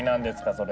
それ？